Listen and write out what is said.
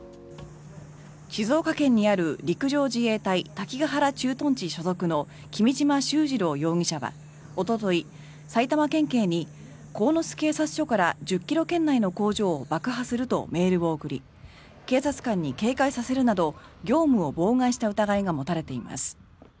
静岡県にある陸上自衛隊滝ヶ原駐屯地所属の君島秀治郎容疑者はおととい、埼玉県警に鴻巣警察署から１０ｋｍ圏内の工場を爆破するとメールを送り警察官に警戒させるなど業務を妨害した疑いが持たれています。